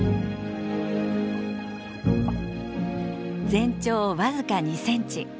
全長僅か２センチ。